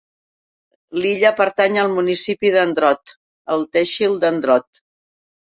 L'illa pertany al municipi d'Andrott, al tehsil d'Andrott.